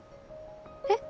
えっ？